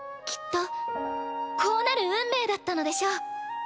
きっとこうなる運命だったのでしょう。